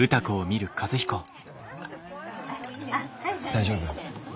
大丈夫？